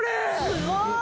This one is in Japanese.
すごーい。